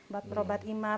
buat berobat imar